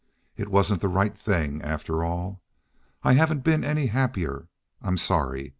It wasn't the right thing, after all. I haven't been any happier. I'm sorry.